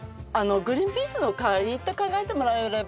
グリーンピースの代わりと考えてもらえれば。